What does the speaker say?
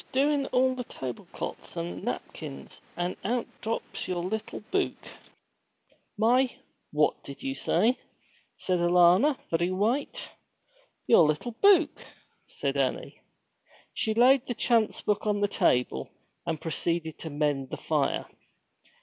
'I was doin' all the tableclot's and napkins, an' out drops your little buke!' 'My what did you say?' said Alanna, very white. 'Your little buke,' said Annie. She laid the chance book on the table, and proceeded to mend the fire.